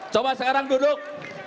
coba sekarang duduk